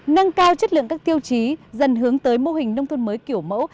nâng cao chất lượng các tiêu chí dần hướng tới mô hình nông thôn mới kiểu mẫu